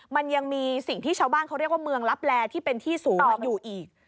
มันยังมีสิ่งที่ชาวบ้านเขาเรียกว่าเมืองลับแลที่เป็นที่สูงอยู่อีก